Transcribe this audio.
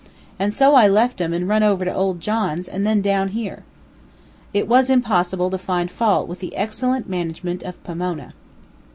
And so I left 'em and run over to old John's, and then down here." It was impossible to find fault with the excellent management of Pomona.